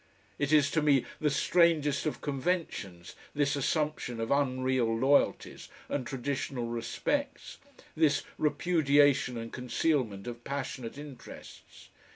It is to me the strangest of conventions, this assumption of unreal loyalties and traditional respects, this repudiation and concealment of passionate interests.